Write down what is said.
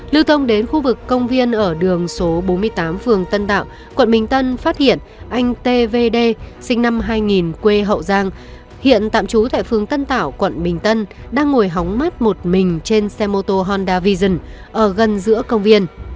lưu thông đến khu vực công viên ở đường số bốn mươi tám phường tân tạo quận bình tân phát hiện anh tv đê sinh năm hai nghìn quê hậu giang hiện tạm trú tại phường tân tạo quận bình tân đang ngồi hóng mắt một mình trên xe mô tô honda vision ở gần giữa công viên